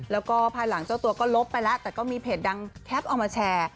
แล้วก็ภายหลังเจ้าตัวก็ลบไปแล้วแต่ก็มีเพจดังแคปเอามาแชร์